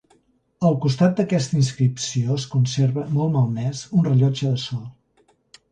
Al costat d'aquesta inscripció es conserva, molt malmès, un rellotge de sol.